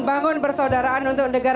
bangun bersaudaraan untuk negara